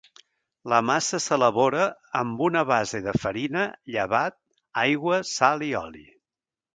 La massa s'elabora amb una base de farina, llevat, aigua, sal i oli.